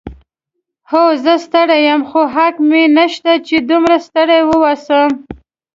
هو، زه ستړی یم، خو حق مې نشته چې دومره ستړی واوسم.